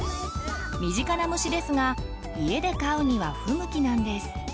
身近な虫ですが家で飼うには不向きなんです。